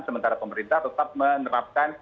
sementara pemerintah tetap menerapkan